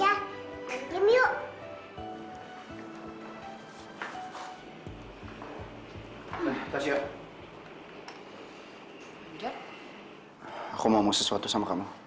aku mau sesuatu sama kamu